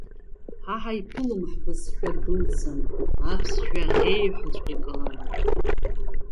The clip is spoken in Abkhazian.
Ҳа ҳаиԥылом ҳбызшәа дәылцан, аԥсшәа аӷьеҩҳәаҵәҟьа игалароуп!